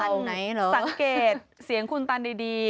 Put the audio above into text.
ก็ต้องสังเกตเสียงคุณตันดี